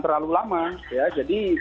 terlalu lama ya jadi